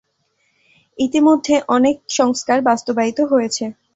ইতিমধ্যে অনেক সংস্কার বাস্তবায়িত হয়েছে।